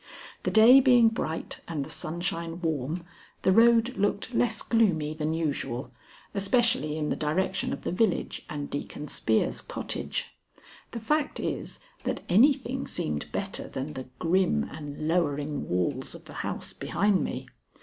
The day being bright and the sunshine warm, the road looked less gloomy than usual, especially in the direction of the village and Deacon Spear's cottage. The fact is, that anything seemed better than the grim and lowering walls of the house behind me.